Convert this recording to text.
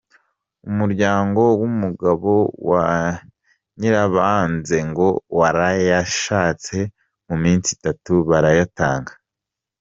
Umuryango w’umugabo wa Nyirabanze ngo warayashatse mu minsi itatu barayatanga.